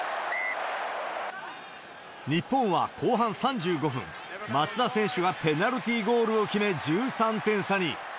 日本は後半３５分、松田選手がペナルティゴールを決め、１３点差に。